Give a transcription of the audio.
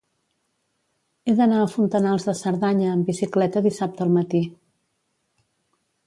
He d'anar a Fontanals de Cerdanya amb bicicleta dissabte al matí.